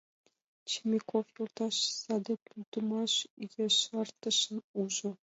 Чемеков йолташ саде кӱлдымаш ешартышым ужо.